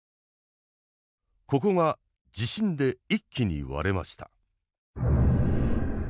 ここが地震で一気に割れました。